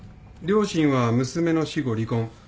両親は娘の死後離婚。